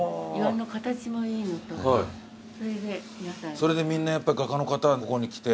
それでみんなやっぱ画家の方はここに来て。